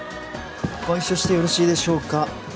・ご一緒してよろしいでしょうか。